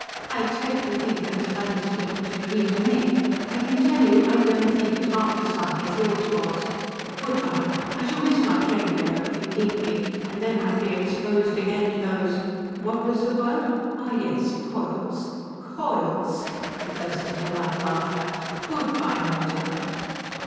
I expect you think that's a funny speech for me to make. I can tell you I don't think it half as funny as yours was. Good bye. I shall miss my train you know if you keep me, and then I'd be exposed again to those what was the word? ah, yes coils. Coils!" He burst into loud laughter. "Good bye mater."